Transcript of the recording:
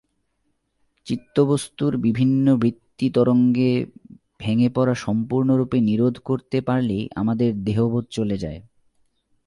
চিত্তবস্তুর বিভিন্ন বৃত্তি-তরঙ্গে ভেঙে পড়া সম্পূর্ণরূপে নিরোধ করতে পারলেই আমাদের দেহবোধ চলে যায়।